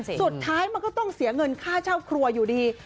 สุดท้ายมันก็ต้องเสียเงินค่าเช่าครัวอยู่ดี